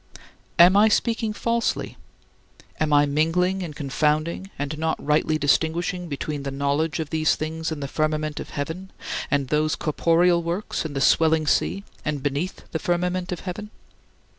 27. Am I speaking falsely? Am I mingling and confounding and not rightly distinguishing between the knowledge of these things in the firmament of heaven and those corporeal works in the swelling sea and beneath the firmament of heaven?